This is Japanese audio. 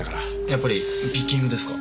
やっぱりピッキングですか？